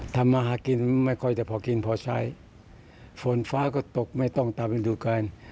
ทำมาหากินไม่ค่อยจะพอกินพอใช้ฝนฟ้าก็ตกไม่ต้องตามฤดูการ